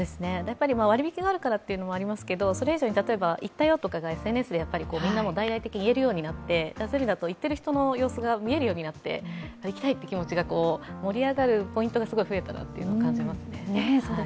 割引があるからというのもありますけれども、それ以上に、行ったよとかＳＮＳでみんな大々的に言えるようになって行ってる人の様子が見えるようになって、行きたいという気持ちが盛り上がるポイントがすごい増えたなと感じますね。